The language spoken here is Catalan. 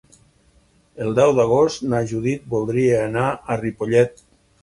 El deu d'agost na Judit voldria anar a Ripollet.